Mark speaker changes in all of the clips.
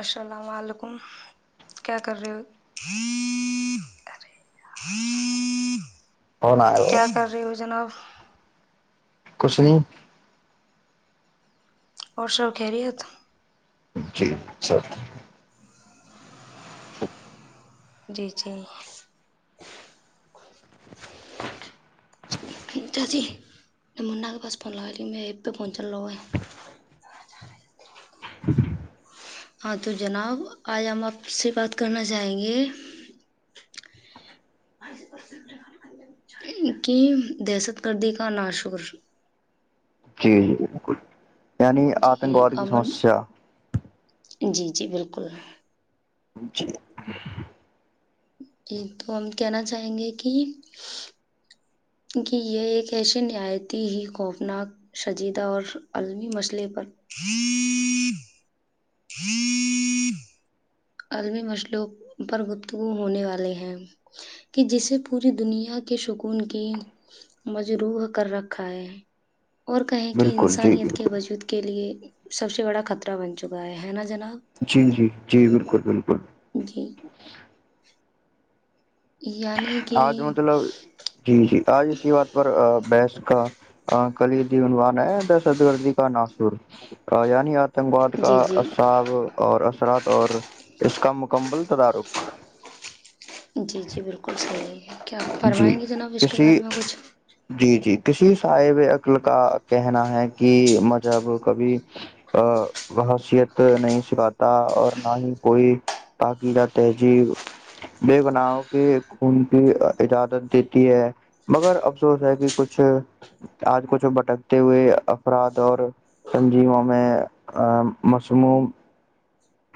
Speaker 1: السلام ععلیکم کیا کر رہے ہو
Speaker 2: فون آیا ہو
Speaker 1: کیا کر رہے ہو جناب
Speaker 2: کچھ نہیں
Speaker 1: اور سب خیریت
Speaker 2: جی سب [inaudible]
Speaker 1: جی جی [inaudible]
Speaker 2: [inaudible]
Speaker 1: ہاں تو جناب آج ہم آپ سے بات کرنا چاہیں گے کی دہشت گردی کا نا شکر
Speaker 2: جی جی بالکل یعنی آتنک واد کی
Speaker 1: امن
Speaker 2: سمسیا
Speaker 1: جی جی بالکل
Speaker 2: [inaudible]
Speaker 1: جی تو ہم کہنا چاہیں گے کہ کیکہ یہ ایک ایسی نہایتی ہی خوفناک شجیدہ اور عالمی مسئلے پر عالمی مسلوں پر گفتگو ہونے والے ہیں کہ جسے پوری دنیا کے سکون کی مجروح کر رکھا ہے اور کہیں کہ
Speaker 2: بالکل جی
Speaker 1: انسانیت کے
Speaker 2: بالکل
Speaker 1: وجود کے لیے سب سے بڑا خطہ بن چکا ہے نا جناب
Speaker 2: جی جی جی بالکل بالکل
Speaker 1: جی یعنی کہ
Speaker 2: آج مطلب جی جی آج اسی بات پر بحث کا کلی دیونوان ہے دہشت گردی کا ناسور یعنی آپ آتنگباد کا
Speaker 1: جی جی
Speaker 2: عصاب اور اثرات اور اس کا مکمل تدارک
Speaker 1: جی جی بالکل صحیح ہے کیا آپ
Speaker 2: جی
Speaker 1: فرمائیں گے جناب اس کے
Speaker 2: کسی
Speaker 1: بارے میں کچھ
Speaker 2: جی جی کسی سے صاحب عقل کا کہنا ہے کہ مذہب کبھی وہ حثیت نہیں سکھاتی اور نہ ہی کوئی تقییدہ تہذیب بے بناؤ کے خون کی اجازت دیتی ہے مگر افسوس ہے کہ کچھ آج کچھ بھٹکتے ہوئے افراد اور تنظیموں میں مصم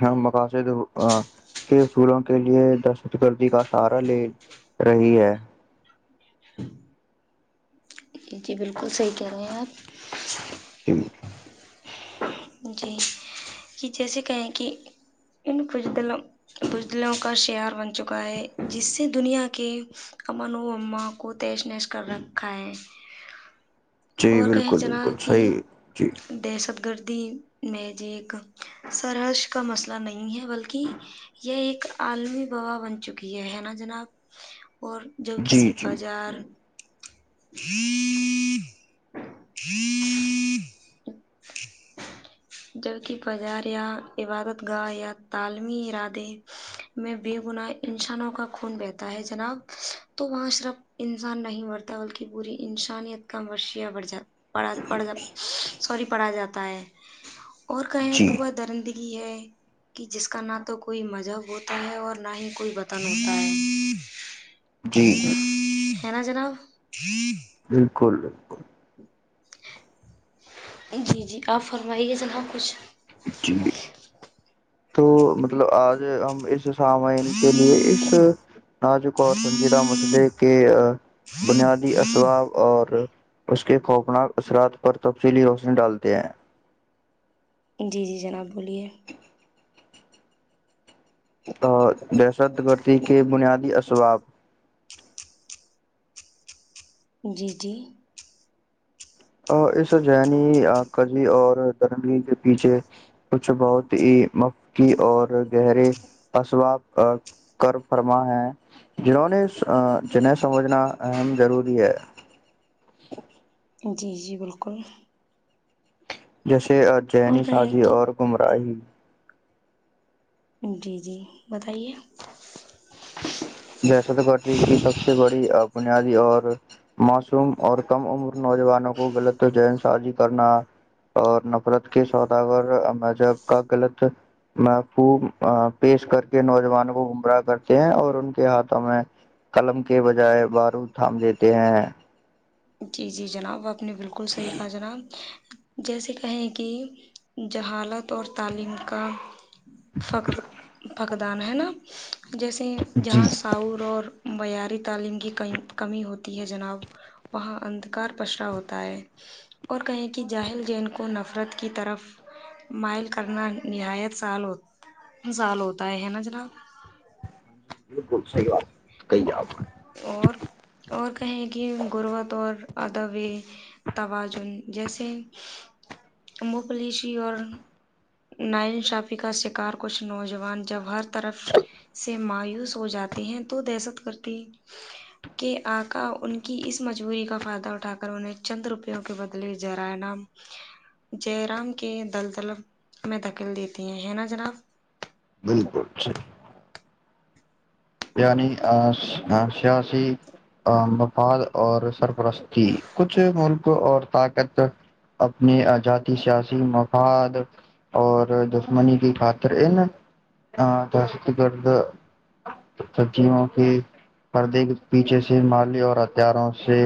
Speaker 2: ہم مقاصد کے اصولوں کے لیے دہشت گردی کا سہارا لے رہی ہے
Speaker 1: ج جی بالکل صحیح کہہ رہے ہیں آپ
Speaker 2: جل
Speaker 1: جی یہ جیسے کہیں کہ ان بجدلوں بجلوں کا شعار بن چکا ہے جس سے دنیا کے امن و اماں کو تیش نش کر رکھا ہے
Speaker 2: جی
Speaker 1: اور کہیں
Speaker 2: بالکل
Speaker 1: جناب
Speaker 2: بالکل صحیح جی
Speaker 1: میں ج ایک سرش کا مسئلہ نہیں ہے بلکہ یہ ایک عالمی با بن چکی ہے ہے نا جناب اور جو
Speaker 2: جی
Speaker 1: کسی
Speaker 2: جی
Speaker 1: بازار ہوں ہوں جبک بازار یا عبادت گاہ یا تعلیمی ارادے میں بے گناہ انسانوں کا خون بہتا ہے جناب تو وہاں صرف انسان نہیں مرتا بلکہ پوری انسانیت کا مشیا بڑھ جات پڑ پڑ ج سوری پڑھا جاتا [inaudible] اور کہیں
Speaker 2: جی
Speaker 1: کہ ب درنندی یہ ہے کہ جس کا نہ تو کوئی مذہب ہوتا ہے اور نہ ہی کوئی وطن ہوتا ہے
Speaker 2: جی جی
Speaker 1: ہے نا جناب
Speaker 2: بالکل [inaudible]
Speaker 1: جی جی آپ فرمائیے سناح کچھ
Speaker 2: جی تو مطلب آج ہم اس سامین کے لیے اس نازک اور سنجیدہ مسئلے کے بنیادی اسصواب اور اس کے خوفناک اثرات پر تفصیلی روشنی ڈالتے ہیں
Speaker 1: جی جی جناب بولیے
Speaker 2: دہشت گردی کے بنیادی اسباب
Speaker 1: جی جی
Speaker 2: اس ذنی کزی اور درملی کے پیچھے کچھ بہت ہی مفی اور گہرے اسباب کر فرما ہیں جنہوں نے جنہیں سمجھنا اہم ضروری ہے
Speaker 1: جی جی بالکل
Speaker 2: جیسے سے اجنی
Speaker 1: اور کہیں
Speaker 2: سازی
Speaker 1: کہ
Speaker 2: اور گمراہ ہی
Speaker 1: جی جی بتائیے
Speaker 2: جیسا تو کرتی کہ سب سے بڑی اب بنیادی اور معوصوم اور کم عمر نوجوانوں کو غلط چین سازی کرنا اور نفرت کے سوداگر مذہب کا غلط محفوظ پیش کر کے نوجوانوں کو گمراہ کرتے ہیں اور ان کے ہاتھوں میں قلم کے بجائے بارو تھام دیتے ہیں
Speaker 1: جی جی جناب آپ نے بالکل صحی کہا جناب جیسے کہیں کہ جہالت اور تعلیم کا فقت فکر مق دان ہے نا جیسے
Speaker 2: جی
Speaker 1: جہاں ساعور اور معیاری تعلیم کی کمی ہوتی ہے جناب وہاں اندھکار پشرا ہوتا ہے اور کہیں کہ جاہل جین کو نفرت کی طرف مائل کرنا نہایت سال سال ہوتا ہے ہے نا جناب
Speaker 2: ج بالکل صحیح بات کہی آپ
Speaker 1: اور اور کہیں کہ گربت اور ادب توازن جیسے مبلیشی اور نائن شافی کا شکار کچھ نوجوان جب ہر طرف سے مایوس ہو جاتی ہیں تو دہشک کرتی کہ آکا ان کی اس مجبوری کا فائدہ اٹھا کر انہیں چند روپیوں کے بدلے جر نام ج رام کے دلدل میں دکل دیتی ہیں ہے نا جناب
Speaker 2: بالکل ٹھیک یعنی سیاسی مفاد اور سرپرستی کچھ ملک اور طاقت اپنے جات سے مفاد اور دشمنی کی خاطر ان دہشت گرد سبزیوں کے پردے کے پیچھے سے مالی اور ہتھیاروں سے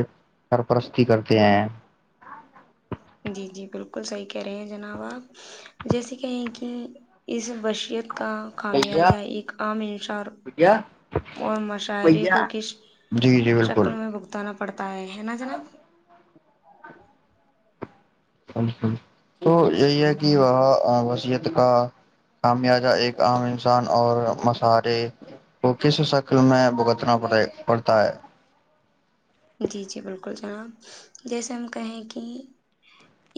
Speaker 2: سرپرستی کرتے ہیں
Speaker 1: جی جی بالکل صحیح کہہ رہے ہیں جناب آپ جیسے کہیں کہ اس وشیت کا
Speaker 2: بھیا
Speaker 1: خامیازہ ایک عام ان
Speaker 2: بھیا
Speaker 1: اور مشااہرے کو
Speaker 2: بھیا
Speaker 1: کس
Speaker 2: جی جی بالکل
Speaker 1: شکل میں بگتان پڑتا ہے ہے نا جناب
Speaker 2: تو یہی ہے کہ وہاں وصیت کا خمیازہ ایک عام انسان اور مسارے کو کس شکل میں بگ کتنا پڑ پڑتا ہے
Speaker 1: جی جی بالکل جناب جیسے ہم کہیں کہ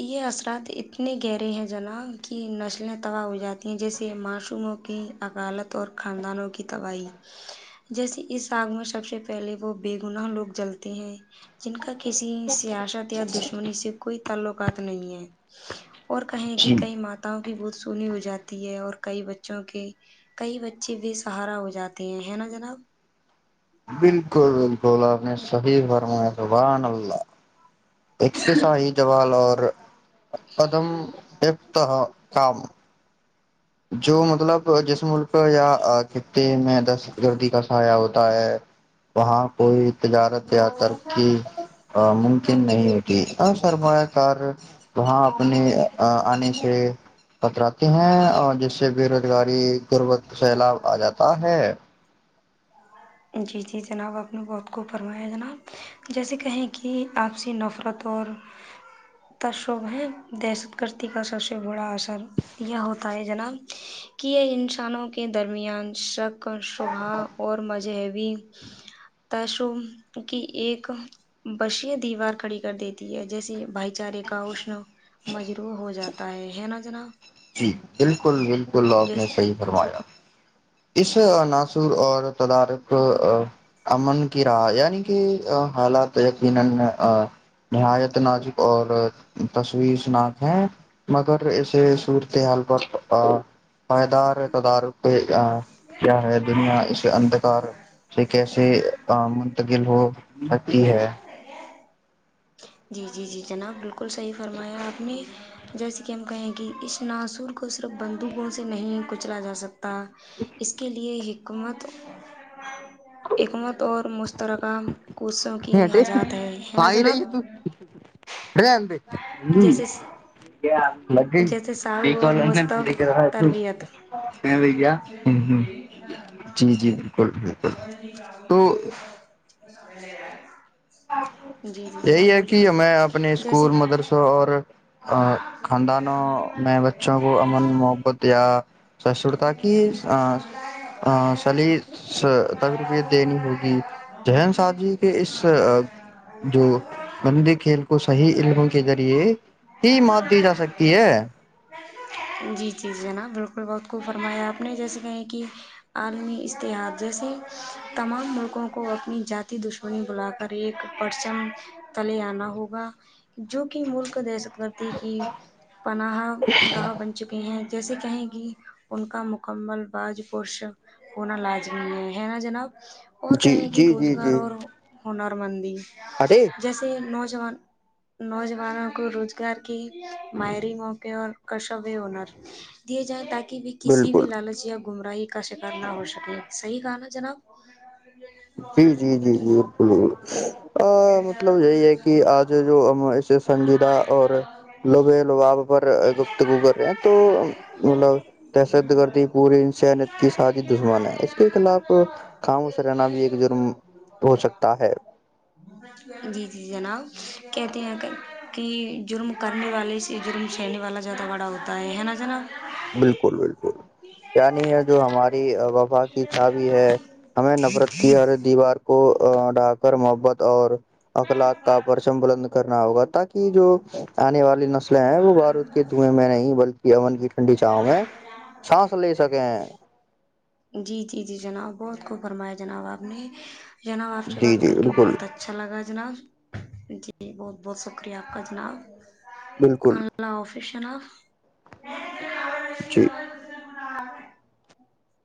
Speaker 1: یہ اثرات اتنے گہرے ہیں جناب کی نسلیں تباہ ہو جاتی ہیں جیسے ما سوموں کی عکالت اور خاندانوں کی تباہی جیسے اس آگ میں سب سے پہلے وہ بیےگنا لوگ جلتے ہیں جن کا کسی سیاست یا دشمنی سے کوئی تعلقات نہیں ہے اور کہیں کی
Speaker 2: جی
Speaker 1: کئی ماتا بہت سونی ہو جاتی ہے اور کئی بچوں کے کئی بچے بھیے سہارا ہو جاتے ہیں ہے نا جناب
Speaker 2: بالکل بالکل آپ نے صحیح فرمایا زبحان اللہ سے شاہی جوال اور قدم [unintelligible] جو مطلب جس ملک یا خطے میں دہشت گردی کا سہایہ ہوتا ہے وہاں کوئی تجارت یا ترکی نہیں ہوتی ہاں شرمایا کار وہاں اپنے آنے سے کتراتے ہیں اور جیسے بے روزگاری قربت سیلاب آ جاتا ہے
Speaker 1: جی جی جناب آپ نے بہت خو ب فرمایا جناب جیسے کہیں کہ آپسی نفرت اور تشب ہے دہشت گردی کا سب سے بڑا اثر یہ ہوتا ہے جناب کہ یہ ان ک تھھانوں کے درمیان شک کا شبہ اور مزے ہے بھی تشو کی ایک بشیہ دیوار کھڑی کر دیتی ہے جیسے بھائی چارے کا اشن مجروح ہو جاتا ہے ہے نا جناب
Speaker 2: جی بالکل بالکل آپ نے
Speaker 1: جیس
Speaker 2: صحیح فرمایا [inaudible] فائدار ہے تو دار کو کیا ہے دنیا اس اندھکار سے کیسے منتقل ہو سکتی ہے
Speaker 1: جی جی جی جناب بالکل صحیح فرمایا آپ نے جیسے کہ ہم کہیں ہیں کہ اس ناصر کو صرف بندوقوں سے نہیں کچلا جا سکتا تھا اس کے لیے ایک [unintelligible] کو سوں کی حزات ہے ہے نا
Speaker 2: آئی
Speaker 1: جناب
Speaker 2: [inaudible]
Speaker 1: جیسے
Speaker 2: [unintelligible]
Speaker 1: جیسے ساہو
Speaker 2: نہیں
Speaker 1: اور
Speaker 2: کال
Speaker 1: مستب
Speaker 2: پوری کر رہا ہے تو
Speaker 1: تربیت
Speaker 2: بھیا ہوں ہوں جی جی بالکل بالکل تو
Speaker 1: [unintelligible] [inaudible] جی جی
Speaker 2: یہی
Speaker 1: جناب
Speaker 2: ہے کہیں میں اپنے
Speaker 1: بولیے
Speaker 2: اسکول
Speaker 1: جیسے
Speaker 2: مدرسہ اور خاندانوں میں بچوں کو امن محبت یا [inaudible] سشرتا کی سلی [unintelligible] تقربی دینی ہوگی جن سا جی کے اس جو بندی کھیل کو صحیح علموں کے ذریعے ہی مات دی جا سکتی ہے
Speaker 1: جی جی جی جناب بل وات کو فرمایا آپ نے جیسے کہے کہ عالمی اتحاد جیسے تمام ملکوں کو اپنی جات دشمنی بلا کر ایک پرچم تلے آنا ہوگا جو کہ ملک تی کی پناہ گاہ بن چکے ہیں جیسے کہیں کہ ان کا مکمل باز پشک ہونا لازمی ہے نا جناب اور
Speaker 2: جی
Speaker 1: کہے کہ
Speaker 2: جی جی
Speaker 1: روزگار
Speaker 2: جی
Speaker 1: اور
Speaker 2: ارے
Speaker 1: [unintelligible] جیسے نوج نوجوانوں کو روزگار کے ماہری موقع اور کشویہ [unintelligible] ہنر [unintelligible] کہ بھی کسی بھی
Speaker 2: بالکل
Speaker 1: لالچ یا گمراہ کا شکار نہ ہو سکے صحی کہا نا جناب
Speaker 2: جی جی جی جی ب مطلب یہی ہے کہ آج جو ہم ایے سنجیدہ اور لبے لباب پر گفتگو کر رہے ہیں تو مطلب دہشد گرد پوری انسانیت کی ساازد دشمن ہے اس کے خلاف خاموش رہنا بھی ایک جرم ہو سکتا ہے
Speaker 1: جی جی جناب کتی ہیں کر کہ جرم کرنے والے سے جرم چہنے والا زیادہ بڑا ہوتا ہے نا ج نا
Speaker 2: بالکل بالکل نی ہے جو ہماری وفا کی چھا بھی ہے ہمیں نفرت کی ہر دیوار کو ڈاکر محبت اور ا لاک کا آ پررشم بل [unintelligible] کرنا ہوگا ت کی جو آنے والی نسلیں ہیں وہ بارود کے دھوئیں میں نہیں بلکہ امن کی بچاؤ میں چھانس لے سکے ہیں
Speaker 1: جی جی جی جناب بہت خوب فرمایا جناب آپ نے جناب آپ سے
Speaker 2: جی
Speaker 1: بات
Speaker 2: جی
Speaker 1: کر کے
Speaker 2: بالکل
Speaker 1: بہت اچھا لگا جناب جی بہت بہت شکریہ آپ کا جناب
Speaker 2: بالکل
Speaker 1: اللہ حافظ [unintelligible] کشنا [unintelligible]
Speaker 2: جی [unintelligible]
Speaker 1: [inaudible]